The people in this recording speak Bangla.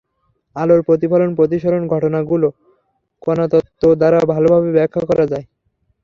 আলোর প্রতিফলন, প্রতিসরণ ঘটনাগুলো কণাতত্ত্ব দ্বারা ভালোভাবে ব্যাখ্যা করা যায়।